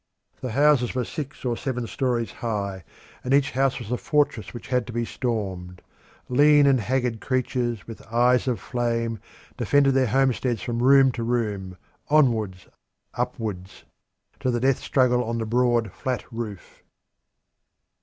The houses were six or seven storeys high, and each house was a fortress which had to be stormed. Lean and haggard creatures, with eyes of flame, defended their homesteads from room to room, onwards, upwards, to the death struggle on the broad, flat roof.